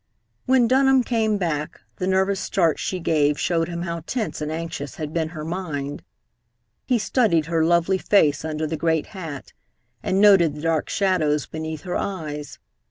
When Dunham came back, the nervous start she gave showed him how tense and anxious had been her mind. He studied her lovely face under the great hat, and noted the dark shadows beneath her eyes.